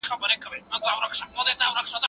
که تجربه مشاهده سي، نتیجه غلطه نه اخیستل کېږي.